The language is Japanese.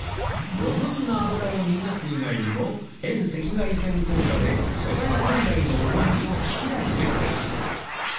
余分な脂を逃がす以外にも遠赤外線効果で素材本来のうまみを引き出してくれます